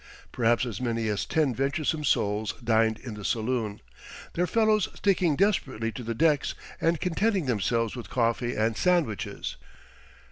Perhaps as many as ten venturesome souls dined in the saloon, their fellows sticking desperately to the decks and contenting themselves with coffee and sandwiches.